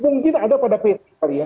mungkin ada pada pc tadi ya